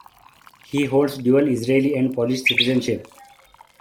He holds dual Israeli and Polish citizenship.